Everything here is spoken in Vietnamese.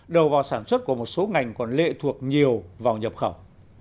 đầu vào sản xuất của một số ngành còn lệ thuộc nhiều vào nhập khẩu